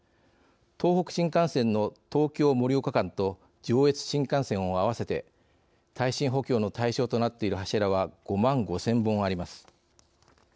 東北新幹線の東京・盛岡間と上越新幹線を合わせて耐震補強の対象となっている柱は５万５０００本あります。